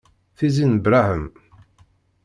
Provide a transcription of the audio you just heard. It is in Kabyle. Tizi n Brahem.